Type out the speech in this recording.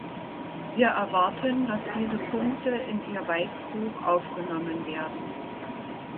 Wir erwarten, dass diese Punkte in Ihr Weißbuch aufgenommen werden.